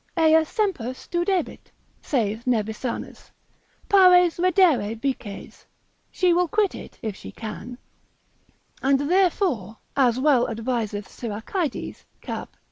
Ea semper studebit, saith Nevisanus, pares reddere vices, she will quit it if she can. And therefore, as well adviseth Siracides, cap.